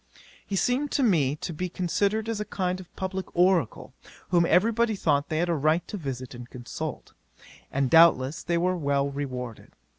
He seemed to me to be considered as a kind of publick oracle, whom every body thought they had a right to visit and consult; and doubtless they were well rewarded.